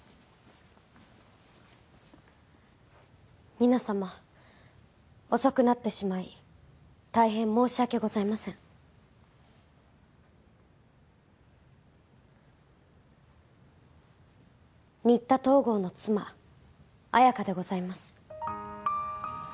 皆様遅くなってしまい大変申し訳ございません新田東郷の妻綾華でございます